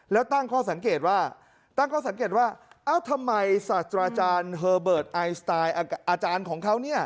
แล้วตั้งข้อสังเกตว่าเอ้าทำไมสัตราจารย์อัลเบิร์ตไอสไตล์อาจารย์ของเขา